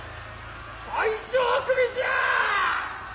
大将首じゃ！